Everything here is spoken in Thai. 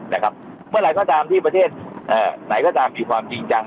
นะครับเมื่อไหร่ก็ตามที่ประเทศเอ่อไหนก็ตามที่ความจริงจัง